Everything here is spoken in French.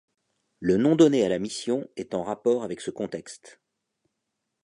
Le nom donné à la mission est en rapport avec ce contexte.